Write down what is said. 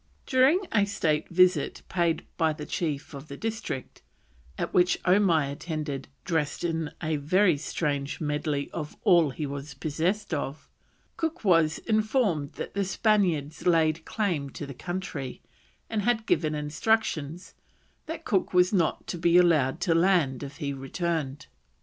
During a state visit paid by the chief of the district, at which Omai attended "dressed in a strange medley of all he was possessed of," Cook was informed that the Spaniards laid claim to the country, and had given instructions that Cook was not to be allowed to land if he returned.